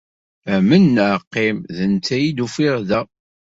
Amen neɣ qqim, d netta i d-uffiɣ da.